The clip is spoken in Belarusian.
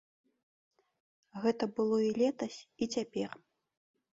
Гэта было і летась, і цяпер.